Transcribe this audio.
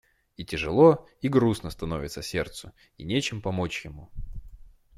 И тяжело и грустно становится сердцу, и нечем помочь ему.